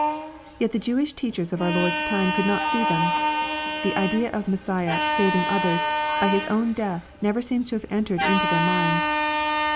Yet the Jewish teachers of our Lord's time could not see them. The idea of Messiah " saving others" by His own death seems never to have entered into their minds.